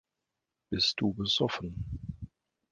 Bist du besoffen?